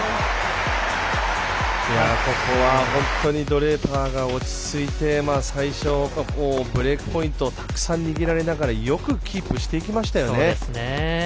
ここは本当にドレイパーが落ち着いて最初、ブレークポイントをたくさん握られながらよくキープしていきましたよね。